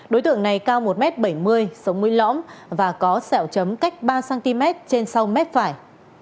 đối tượng này cao một m bảy mươi sống mươi lõm và có sẹo chấm cách ba cm trên sau mép phải